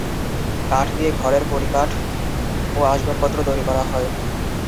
কাঠ দিয়ে ঘরের কড়িকাঠ ও আসবাবপত্র তৈরি করা হয়।